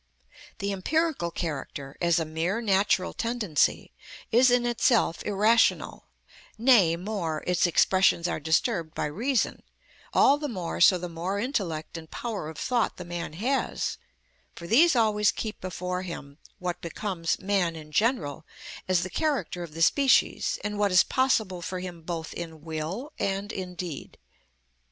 The empirical character, as a mere natural tendency, is in itself irrational; nay, more, its expressions are disturbed by reason, all the more so the more intellect and power of thought the man has; for these always keep before him what becomes man in general as the character of the species, and what is possible for him both in will and in deed.